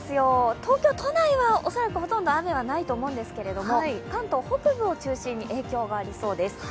東京都内は恐らくほとんど雨はないと思うんですけれども、関東北部を中心に影響がありそうです。